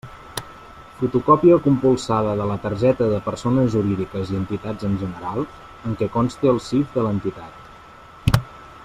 Fotocòpia compulsada de la targeta de persones jurídiques i entitats en general en què conste el CIF de l'entitat.